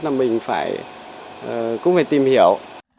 là mình cũng phải tìm hiểu